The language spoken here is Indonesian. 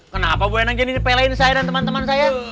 kenapa bu hendang gini pelein saya dan temen temen saya